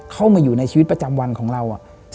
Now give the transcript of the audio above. เข้ามาอยู่ในชีวิตประจำวันของเรา